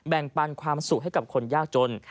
ปันความสุขให้กับคนยากจน